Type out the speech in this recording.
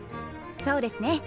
そうですね。